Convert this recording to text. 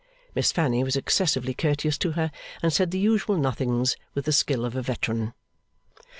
Miss Fanny was excessively courteous to her, and said the usual nothings with the skill of a veteran.